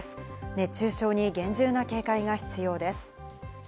熱中症に厳重な警戒が必要です。